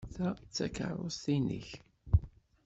Ta d takeṛṛust-nnek?